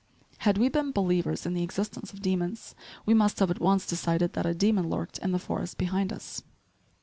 Had we been believers in the existence of demons, we must have at once decided that a demon lurked in the forest behind us.